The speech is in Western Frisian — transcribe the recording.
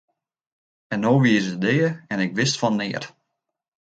En no wie se dea en ik wist fan neat!